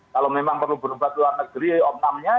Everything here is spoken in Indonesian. kalau memang perlu berubah ke luar negeri opnamah